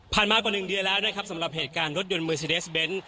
มากว่า๑เดือนแล้วนะครับสำหรับเหตุการณ์รถยนต์เมอร์ซีเดสเบนท์